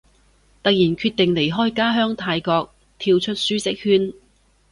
突然決定離開家鄉泰國，跳出舒適圈